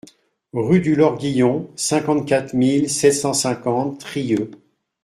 Rue du Lorguillon, cinquante-quatre mille sept cent cinquante Trieux